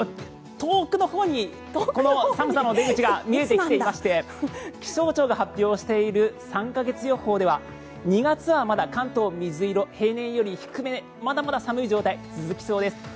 遠くのほうにこの寒さの出口が見えてきていまして気象庁が発表している３か月予報では２月はまだ関東は水色平年より低めまだまだ寒い状態が続きそうです。